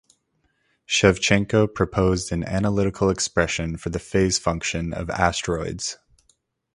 Shevchenko proposed an analytical expression for the phase function of asteroids.